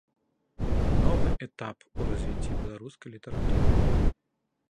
Новы этап у развіцці беларускай літаратуры.